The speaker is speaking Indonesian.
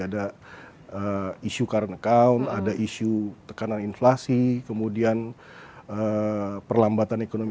ada isu current account ada isu tekanan inflasi kemudian perlambatan ekonomi